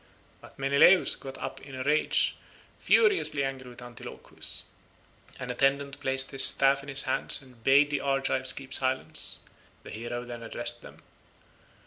But Menelaus got up in a rage, furiously angry with Antilochus. An attendant placed his staff in his hands and bade the Argives keep silence: the hero then addressed them.